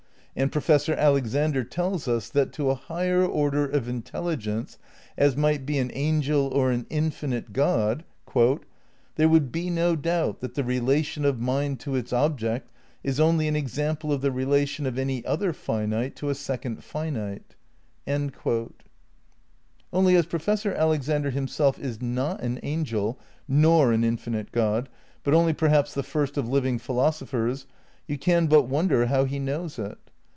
And Professor Alexander tells us that to a higher order of intelligence, as might be an "angel" or "an infinite God," "there would be no doubt that the relation of mind to its object is only an example of the relation of any other flnite to a second flnite." ' Only as Professor Alexander himself is not an angel nor an infinite Grod, but only perhaps the first of living philosophers, you can but wonder how he knows it.